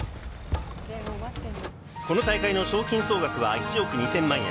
この大会の賞金総額は１億２０００万円。